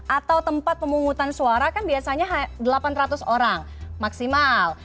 atau tempat pemungutan suara kan biasanya delapan ratus orang maksimal